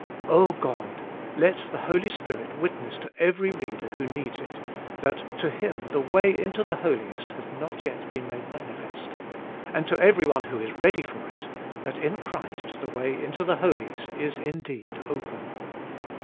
O God ! let the Holy Spirit witness to every reader who needs it, that to him the way into the Holiest hath not yet been made manifest ; and to everyone who is ready for it, that in Christ the way into the Holiest is indeed open.